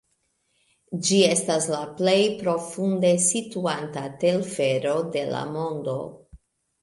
Ĝi estas la plej profunde situanta telfero de la mondo.